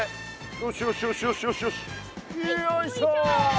よいしょ！